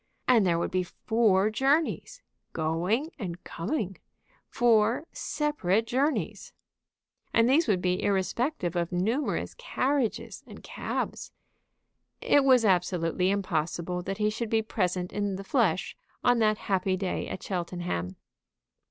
"And there would be four journeys, going and coming, four separate journeys!" And these would be irrespective of numerous carriages and cabs. It was absolutely impossible that he should be present in the flesh on that happy day at Cheltenham.